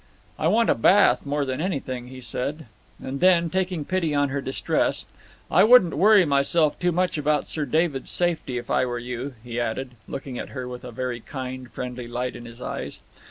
"I want a bath more than anything," he said. And then, taking pity on her distress, "I wouldn't worry myself too much about Sir David's safety if I were you," he added, looking at her with a very kind, friendly light in his eyes.